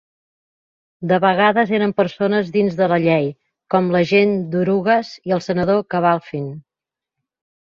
De vegades eren persones dins de la llei, com l'agent Durugas i el senador Cabalfin.